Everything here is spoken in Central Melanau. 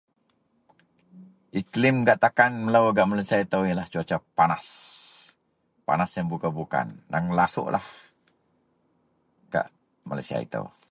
Iklim gak takan melou gak Malaysia itou yenlah Cuaca panas. Panas yen bukan-bukan, aneng lasuklah gak Malaysia itou.